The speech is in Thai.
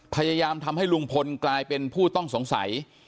พยายามทำให้ลุงพลกลายเป็นผู้ต้องสงสัย